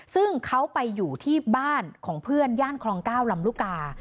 ซึ่งเขาไปอยู่ที่บ้านของเพื่อนย่านคลอง๙ลำลูกกา